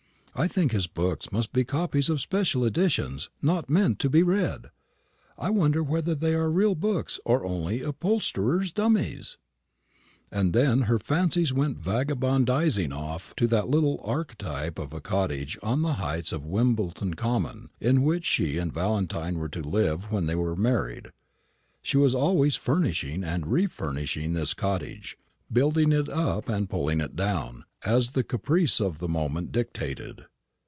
I think his books must be copies of special editions, not meant to be read. I wonder whether they are real books, or only upholsterer's dummies?" And then her fancies went vagabondising off to that little archetype of a cottage on the heights of Wimbledon common, in which she and Valentine were to live when they were married. She was always furnishing and refurnishing this cottage, building it up and pulling it down, as the caprice of the moment dictated.